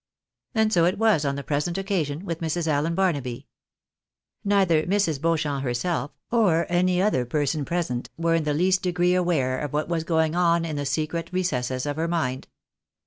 And so it was on the present occasion with Mrs. Allen Barnaby. Neither Mrs. Beauchamp herself, nor any other person present, were in the least degree aware of what was going on in the secret recesses of her mind.